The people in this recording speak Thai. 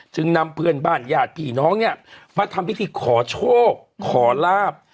จึงนำเพื่อนบ้านญาติพี่น้องเนี่ยมาทำพิธีขอโชคขอลาบ